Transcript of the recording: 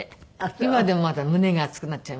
今でもまだ胸が熱くなっちゃいますね。